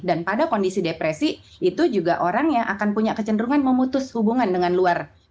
dan pada kondisi depresi itu juga orang yang akan punya kecenderungan memutus hubungan dengan luar